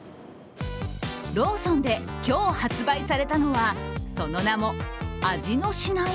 ローソンで今日発売されたのはその名も、味のしない？